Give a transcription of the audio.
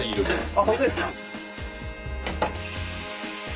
あっ本当ですか？